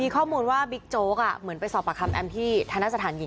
ครับมาสอบประคัมด้วย